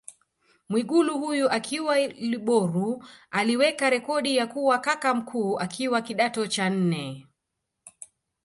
Mwigulu huyu akiwa Ilboru aliweka rekodi ya kuwa kaka mkuu akiwa kidato cha nne